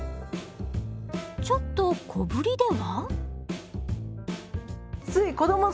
ちょっと小ぶりでは？